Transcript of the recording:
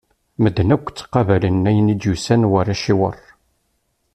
Medden akk ttaqabalen ayen i d-yusan war aciwer.